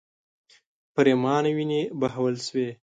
پرېمانې وینې بهول شوې.